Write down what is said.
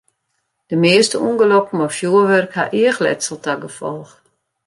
De measte ûngelokken mei fjurwurk ha eachletsel ta gefolch.